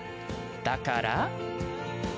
だから。